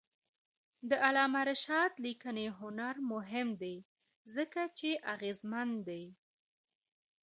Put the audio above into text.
د علامه رشاد لیکنی هنر مهم دی ځکه چې اغېزمن دی.